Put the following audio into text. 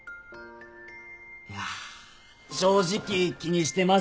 いや正直気にしてます。